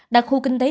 đặc khu kinh tế